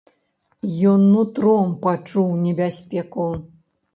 Ён нутром пачуў небяспеку.